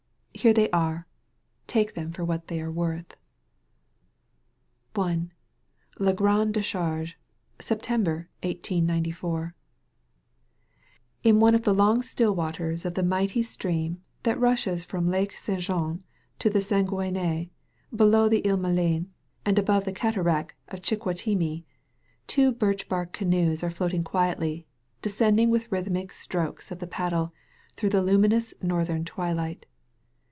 Here they are. Take them for what they are worth. 162 SKETCHES OF QUEBEC LA 6BANDE DECSOABGB September, 18M In one of the long stillwaters of the mighty stream that nishes from Lao Saint Jean to make the Sa guenay — ^below the lie Maligne and above the cataract of Chicoutimi — two birch bark canoes are floating quietly, descending with rhythmic strokes of the paddle, through the luminous northern twi light.